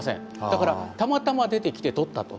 だからたまたま出てきて撮ったと。